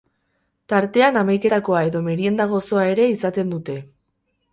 Tartean hamaiketakoa edo merienda gozoa ere izaten dute.